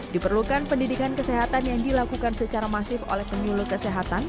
diperlukan pendidikan kesehatan yang dilakukan secara masif oleh penyuluh kesehatan